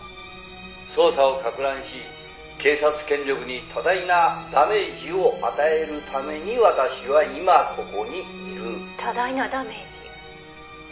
「捜査を攪乱し警察権力に多大なダメージを与えるために私は今ここにいる」「多大なダメージ？」